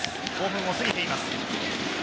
５分を過ぎています。